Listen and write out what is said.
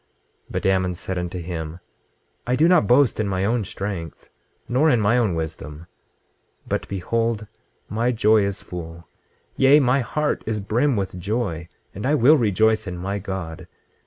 26:11 But Ammon said unto him: I do not boast in my own strength, nor in my own wisdom; but behold, my joy is full, yea, my heart is brim with joy, and I will rejoice in my God.